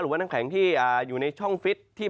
หรือว่าน้ำแข็งที่อยู่ในช่องฟิต